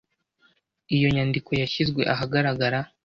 iyo nyandiko yashyizwe ahagaragara